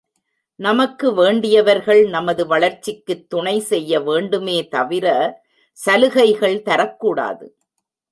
நமக்கு வேண்டியவர்கள் நமது வளர்ச்சிக்குத் துணை செய்ய வேண்டுமே தவிர சலுகைகள் தரக்கூடாது.